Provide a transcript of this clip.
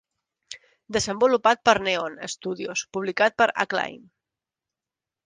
Desenvolupat per Neon Studios, publicat per Acclaim.